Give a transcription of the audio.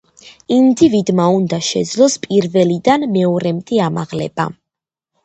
ინდივიდმა უნდა შეძლოს პირველიდან მეორემდე ამაღლება.